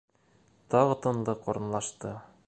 Тағы тынлыҡ урынлашты.